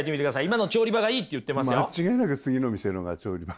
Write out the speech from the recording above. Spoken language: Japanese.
「今の調理場がいい」って言ってますよ。